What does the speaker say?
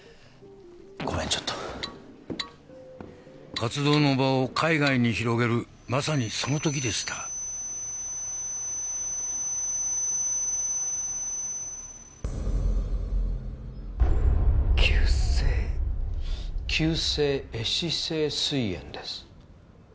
ごめんちょっと活動の場を海外に広げるまさにその時でした急性急性壊死性膵炎です